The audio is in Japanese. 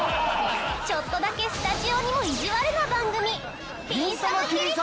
ちょっとだけスタジオにも意地悪な番組。